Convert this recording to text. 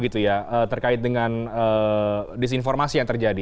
terkait dengan disinformasi yang terjadi